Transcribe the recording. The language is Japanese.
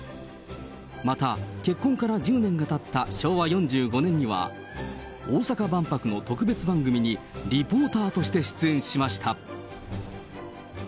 また、結婚から１０年がたった昭和４５年には、大阪万博の特別番組にリポーターとして出演しました。